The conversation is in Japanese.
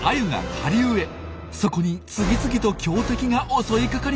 そこに次々と強敵が襲いかかります。